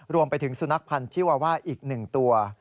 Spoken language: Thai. รวมไปถึงสุนัขพันธ์ชิวาว่าอีก๑ตัว